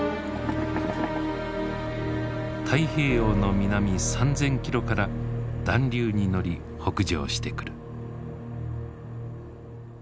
太平洋の南３，０００キロから暖流に乗り北上してくる。